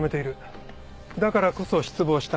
だからこそ失望したんだ。